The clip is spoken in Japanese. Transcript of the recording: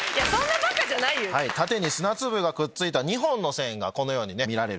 縦に砂粒がくっついた２本の線がこのように見られる。